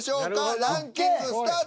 ランキングスタート。